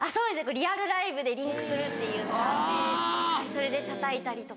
リアルライブでリンクするっていうのがあってそれでたたいたりとか。